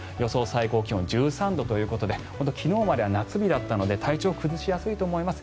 最高気温１３度ということで昨日までは夏日だったので体調を崩しやすいと思います。